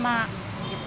jadi agak luar biasa